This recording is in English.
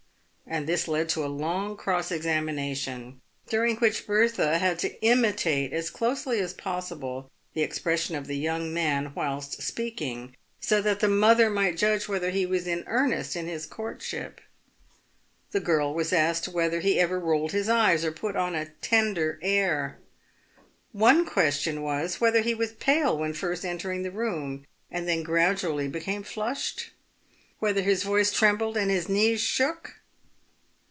and this led to a long cross examination, during which Bertha had to imitate as closely as possible the expression of the young man whilst speaking, so that the mother might judge whether he was in earnest in his courtship. The girl was asked whether he ever rolled his eyes, or put on a tender air. One question was, whether he was pale when first entering the room, and then gradually became flushed ? whether his voice trembled and his knees shook